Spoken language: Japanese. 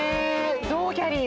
どうきゃりー？